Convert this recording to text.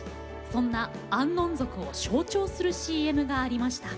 そんなアンノン族を象徴するＣＭがありました。